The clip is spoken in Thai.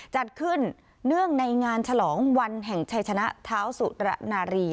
จัดขึ้นเนื่องในงานฉลองวันแห่งชัยชนะเท้าสุระนารี